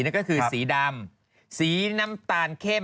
นั่นก็คือสีดำสีน้ำตาลเข้ม